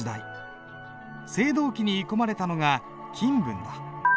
青銅器に鋳込まれたのが金文だ。